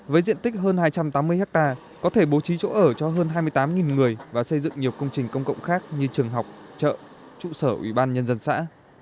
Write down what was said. với diện tích hơn hai trăm tám mươi ha có thể bố trí chỗ ở cho hơn hai mươi tám người và xây dựng nhiều công trình công cộng khác như trường học chợ trụ sở ủy ban nhân dân xã